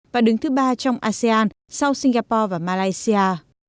và đứng thứ ba trong asean sau singapore và malaysia